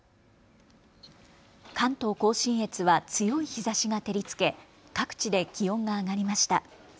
関東甲信越は強い日ざしが照りつけ各地で気温が上がりました。